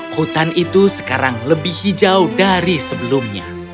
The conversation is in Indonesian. hutan itu sekarang lebih hijau dari sebelumnya